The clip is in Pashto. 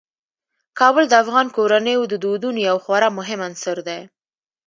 کابل د افغان کورنیو د دودونو یو خورا مهم عنصر دی.